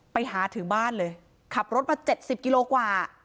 ไปถึงบ้านเลยขับรถมา๗๐กิโลกว่า